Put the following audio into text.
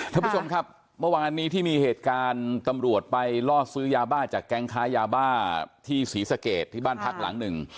ท่านผู้ชมครับเมื่อวานนี้ที่มีเหตุการณ์ตำรวจไปล่อซื้อยาบ้าจากแก๊งค้ายาบ้าที่ศรีสะเกดที่บ้านพักหลังหนึ่ง